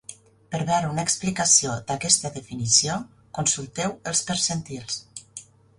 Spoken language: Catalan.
Per veure una explicació d"aquesta definició, consulteu els percentils.